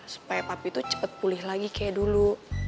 supaya papi tuh cepet pulih lagi kayak dulu